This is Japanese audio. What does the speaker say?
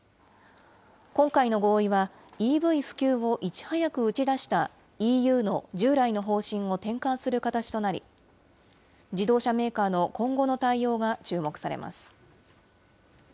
今回の合意は、ＥＶ普及をいち早く打ち出したＥＵの従来の方針を転換する形となり、自動車メーカーの今後の対応が注目されます。